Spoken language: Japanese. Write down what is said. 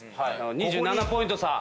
２７ポイント差。